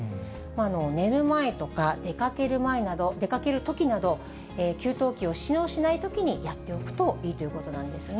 寝る前とか出かけるときなど、給湯器を使用しないときにやっておくといいということなんですね。